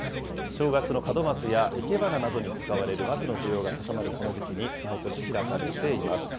正月の門松や生け花などに使われる松の需要が高まるこの時期に毎年開かれています。